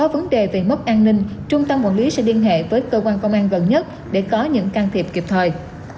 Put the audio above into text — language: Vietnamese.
vấn đề về mất an ninh trung tâm quản lý sẽ liên hệ với cơ quan công an gần nhất để có những can thiệp kịp thời